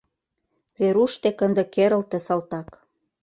— Веруш дек ынде керылте салтак.